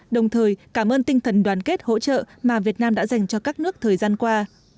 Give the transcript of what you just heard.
đồng thời cảm ơn tinh thần đoàn kết hỗ trợ mà việt nam đã dành cho các nước thời gian qua